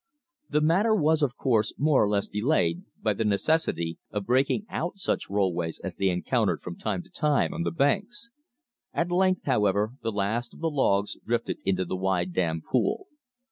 The matter was, of course, more or less delayed by the necessity of breaking out such rollways as they encountered from time to time on the banks. At length, however, the last of the logs drifted into the wide dam pool.